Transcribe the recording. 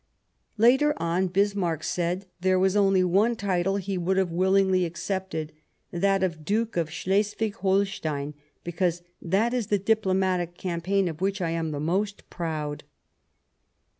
68 The First Passage of Arms Later on, Bismarck said there was only one title he would have willingly accepted, " that of Duke of Slesvig Holstcin, because that is the diplomatic campaign of which I am the most proud."